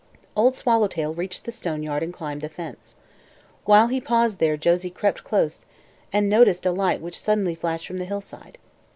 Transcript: Old Swallowtail reached the stone yard and climbed the fence. While he paused there Josie crept close and noticed a light which suddenly flashed from the hillside.